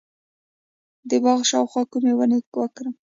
د باغ شاوخوا کومې ونې وکرم؟